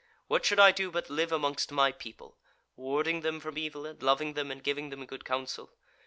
What should I do but live amongst my people, warding them from evil, and loving them and giving them good counsel?